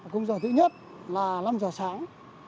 cung giờ thứ nhất là năm h sáng